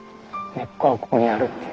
根っこはここにあるっていう。